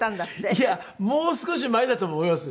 いやもう少し前だと思います。